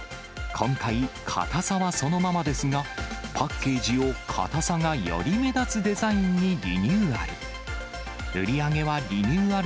今回、かたさはそのままですが、パッケージをかたさがより目立つデザインにリニューアル。